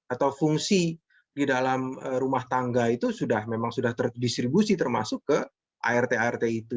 atau fungsi di dalam rumah tangga itu sudah memang sudah terdistribusi termasuk ke art art itu